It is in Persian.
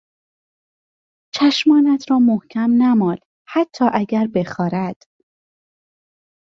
چشمانت را محکم نمال حتی اگر بخارد.